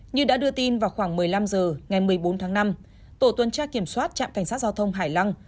như đã đưa tin vào khoảng một mươi năm h ngày một mươi bốn tháng năm tổ tuần tra kiểm soát trạm cảnh sát giao thông hải lăng